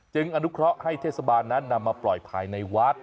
อนุเคราะห์ให้เทศบาลนั้นนำมาปล่อยภายในวัด